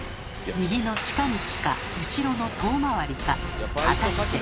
右の近道か後ろの遠回りか果たして。